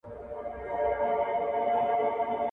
خوب چي درسي بالښت نه غواړي، زړه چي مين سي ښايست نه غواړي.